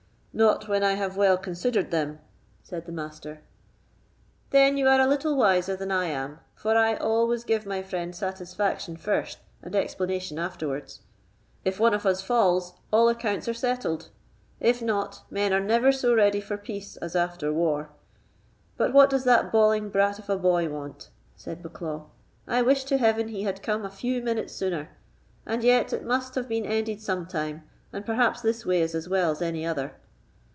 "Not when I have well considered them," said the Master. "Then you are a little wiser than I am, for I always give my friend satisfaction first, and explanation afterwards. If one of us falls, all accounts are settled; if not, men are never so ready for peace as after war. But what does that bawling brat of a boy want?" said Bucklaw. "I wish to Heaven he had come a few minutes sooner! and yet it must have been ended some time, and perhaps this way is as well as any other."